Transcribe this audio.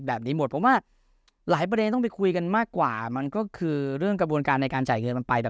แบบนี้หมดเพราะว่าหลายประเด็นต้องไปคุยกันมากกว่ามันก็คือเรื่องกระบวนการในการจ่ายเงินมันไปแบบ